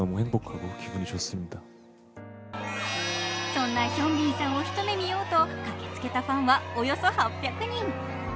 そんなヒョンビンさんを一目見ようと駆けつけたファンはおよそ８００人。